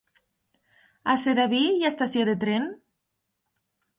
A Sedaví hi ha estació de tren?